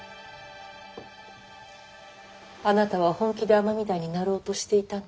あなたは本気で尼御台になろうとしていたの。